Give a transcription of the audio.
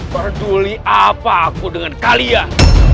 peduli apa aku dengan kalian